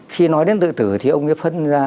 khi nói đến tự tử thì ông phân ra